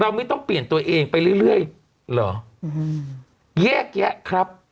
ไม่ต้องเปลี่ยนตัวเองไปเรื่อยเหรอแยกแยะครับ